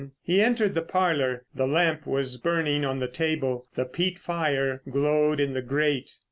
He entered the parlour; the lamp was burning on the table, the peat fire glowed in the grate.